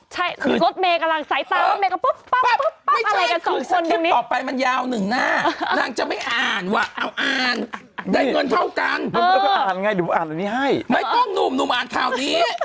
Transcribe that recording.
ใช่รถเมล์กำลังสายตารถเมล์กำลังปุ๊บป๊าบป๊าบ